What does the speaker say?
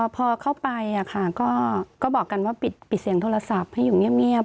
พอเข้าไปก็บอกกันว่าปิดเสียงโทรศัพท์ให้อยู่เงียบ